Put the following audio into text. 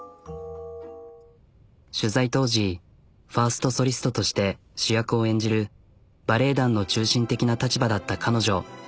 取材当時ファーストソリストとして主役を演じるバレエ団の中心的な立場だった彼女。